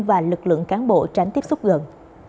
và lực lượng cán bộ tránh tiếp xúc gần